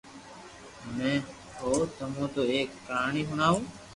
ھمي ھو تمو نو ايڪ ڪھاني ھڻاووُ